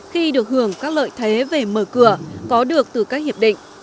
khi được hưởng các lợi thế về mở cửa có được từ các hiệp định